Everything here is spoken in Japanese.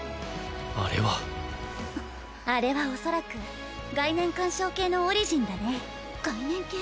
あれはあれは恐らく概念干渉系のオリジンだね概念系？